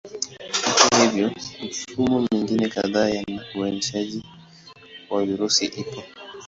Hata hivyo, mifumo mingine kadhaa ya uainishaji wa virusi ipo.